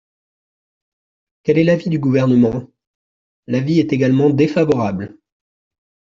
Quel est l’avis du Gouvernement ? L’avis est également défavorable.